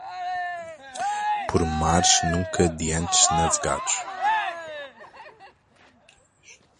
Por mares nunca de antes navegados